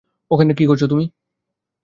এখানে কী করছো তুমি?